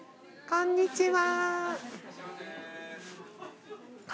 こんにちは。